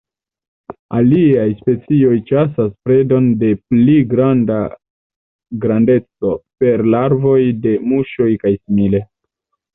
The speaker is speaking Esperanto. Aliaj specioj ĉasas predon de pli granda grandeco: per larvoj de muŝoj kaj simile.